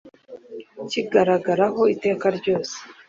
kigahoraho iteka ryose